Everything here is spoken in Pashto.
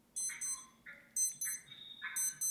د خرابو خوړو نښي څه دي؟